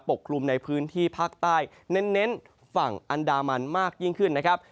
กลุ่มในพื้นที่ภาคใต้เน้นฝั่งอันดามันมากยิ่งขึ้นนะครับ